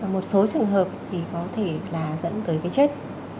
một số trường hợp có thể dẫn tới chết